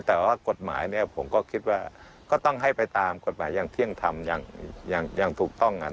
แต่ว่ากฎหมายเนี่ยผมก็คิดว่าก็ต้องให้ไปตามกฎหมายอย่างเที่ยงธรรมอย่างถูกต้องกัน